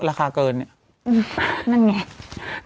ราคาเกินเนี่ย